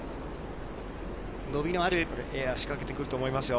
伸びのあるエア、仕掛けてくると思いますよ。